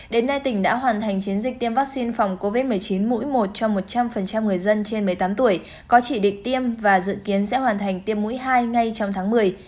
đến nay tỉnh đã hoàn thành chiến dịch tiêm vaccine phòng covid một mươi chín mũi một cho một trăm linh người dân trên một mươi tám tuổi có chỉ định tiêm và dự kiến sẽ hoàn thành tiêm mũi hai ngay trong tháng một mươi